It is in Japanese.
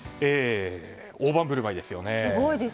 大盤振る舞いですよね。